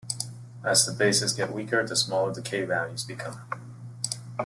As the bases get weaker, the smaller the K values become.